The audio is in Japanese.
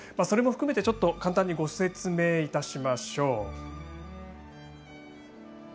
それも含めて、簡単にご説明いたしましょう。